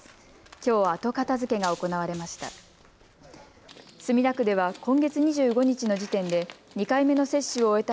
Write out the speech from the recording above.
きょうは後片づけが行われました。